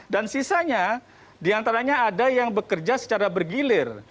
dan sisanya diantaranya ada yang bekerja secara bergilir